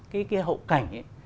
cái hậu cảnh ấy